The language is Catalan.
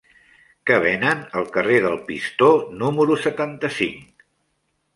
Què venen al carrer del Pistó número setanta-cinc?